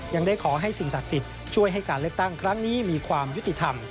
ยังได้ขอให้สิ่งศักดิ์สิทธิ์ช่วยให้การเลือกตั้งครั้งนี้มีความยุติธรรม